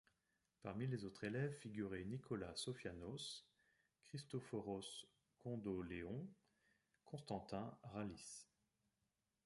Parmi les autres élèves figuraient Nicolas Sophianos, Christophoros Kondoléon, Constantin Rhallis.